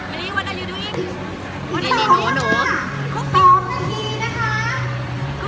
อันนี้ทำอะไรคะ